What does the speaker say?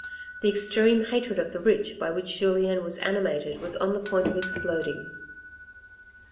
The extreme hatred of the rich by which Julien was animated was on the point of exploding.